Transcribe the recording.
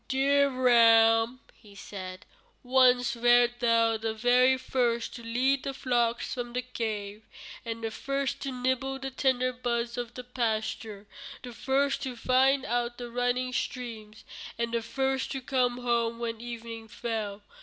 "Dear ram," said he, "once wert thou the very first to lead the flocks from the cave, the first to nibble the tender buds of the pasture, the first to find out the running streams, and the first to come home when evening fell.